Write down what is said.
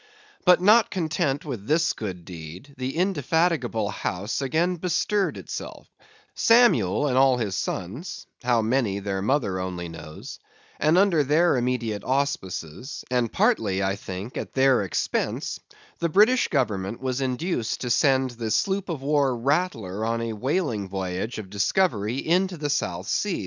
But not content with this good deed, the indefatigable house again bestirred itself: Samuel and all his Sons—how many, their mother only knows—and under their immediate auspices, and partly, I think, at their expense, the British government was induced to send the sloop of war Rattler on a whaling voyage of discovery into the South Sea.